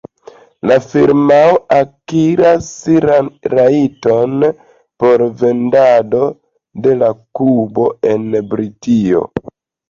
La firmao akiras rajton por vendado de la kubo en Britio.